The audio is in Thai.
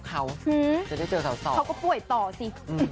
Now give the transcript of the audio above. เขาก็ป่วยต่อสิ